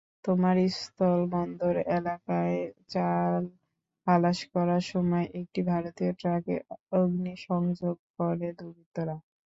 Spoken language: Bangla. ভোমরা স্থলবন্দর এলাকায় চাল খালাস করার সময় একটি ভারতীয় ট্রাকে অগ্নিসংযোগ করে দুর্বৃত্তরা।